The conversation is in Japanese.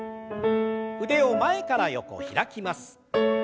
腕を前から横開きます。